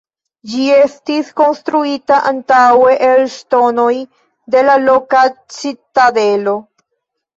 Ĝi estis konstruita antaŭe el ŝtonoj de la loka citadelo.